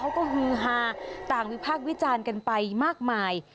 เขาก็ฮือฮาต่างวิภาควิจารณ์กันไปมากมาย